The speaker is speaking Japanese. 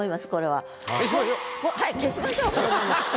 はい消しましょう。